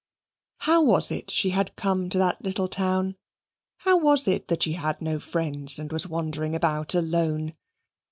How was it that she had come to that little town? How was it that she had no friends and was wandering about alone?